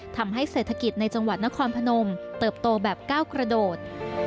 ทำให้เศรษฐกิจในจังหวัดนครพนมเติบโตแบบก้าวกระโดด